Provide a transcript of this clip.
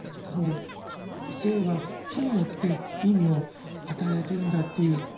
ですんで生は死によって意味を与えられてるんだっていう。